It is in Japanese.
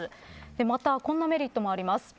また、こんなメリットもあります